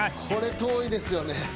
これ遠いですよね。